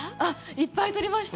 いっぱい撮りました。